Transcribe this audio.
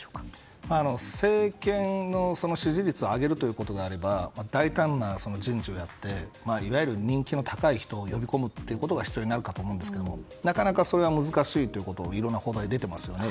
政権の支持率を上げるということであれば大胆な人事をやっていわゆる人気の高い人を呼び込むことが必要になるかと思うんですがなかなかそれは難しいということがいろいろな報道で出ていますよね。